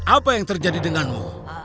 apa yang terjadi denganmu